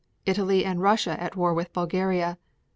Italy and Russia at war with Bulgaria.